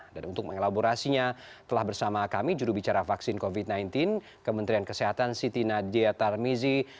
untuk mengelaborasinya telah bersama kami jurubicara vaksin covid sembilan belas kementerian kesehatan siti nadia tarmizi